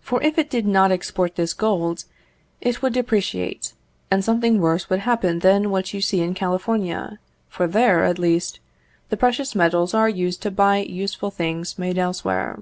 For if it did not export this gold, it would depreciate, and something worse would happen than what you see in California, for there, at least, the precious metals are used to buy useful things made elsewhere.